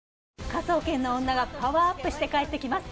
『科捜研の女』がパワーアップして帰ってきます。